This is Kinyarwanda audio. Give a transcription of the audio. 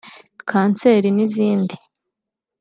kanseri n’izindi